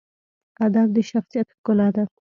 ادب د شخصیت ښکلا ده.